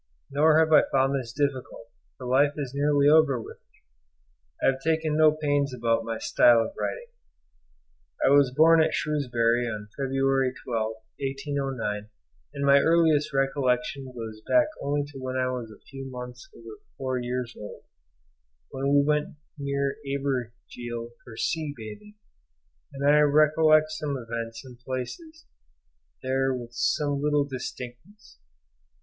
Nor have I found this difficult, for life is nearly over with me. I have taken no pains about my style of writing. I was born at Shrewsbury on February 12th, 1809, and my earliest recollection goes back only to when I was a few months over four years old, when we went to near Abergele for sea bathing, and I recollect some events and places there with some little distinctness.